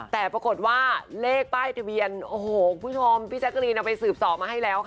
แต่ปรากฏว่าเลขป้ายทะเบียนโอ้โหคุณผู้ชมพี่แจ๊กรีนเอาไปสืบสอบมาให้แล้วค่ะ